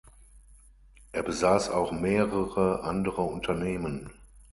Er besaß auch mehrere andere Unternehmen.